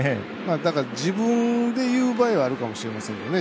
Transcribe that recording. だから自分で言う場合はあるかもしれませんけどね。